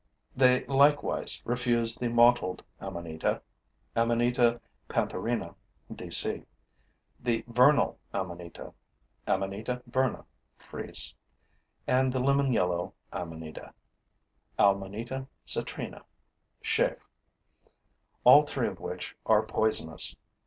They likewise refuse the mottled amanita (Amanita pantherina, D. C.), the vernal amanita (Amanita verna, FRIES) and the lemon yellow amanita (Amanita citrina, SCHAEFF.), all three of which are poisonous.